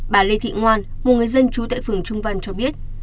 bà lê thị ngoan một người dân trú tại phường trung văn cho biết